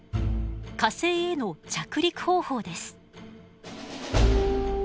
火星への着陸方法です。